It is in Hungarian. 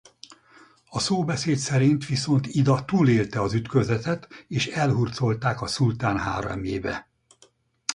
A szóbeszéd szerint viszont Ida túlélte az ütközetet és elhurcolták a szultán háremébe.